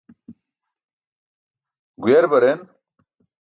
Guyar baren.